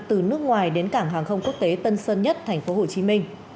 từ nước ngoài đến cảng hàng không quốc tế tân sơn nhất tp hcm